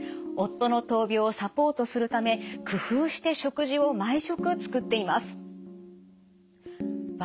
夫の闘病をサポートするため工夫して食事を毎食作っています。